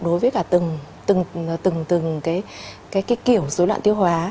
đối với cả từng kiểu dối loạn tiêu hóa